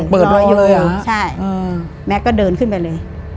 เออเปิดได้เลยใช่อืมแม็กซ์ก็เดินขึ้นไปเลย